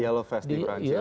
yellow vest di perancis ya